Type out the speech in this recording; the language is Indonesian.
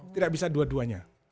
tidak bisa dua duanya